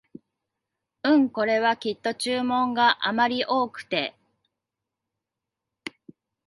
うん、これはきっと注文があまり多くて